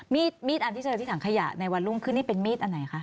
มีดอันที่เจอที่ถังขยะในวันรุ่งขึ้นนี่เป็นมีดอันไหนคะ